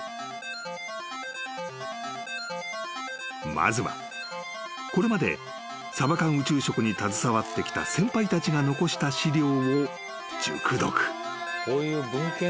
［まずはこれまでサバ缶宇宙食に携わってきた先輩たちが残した資料を熟読］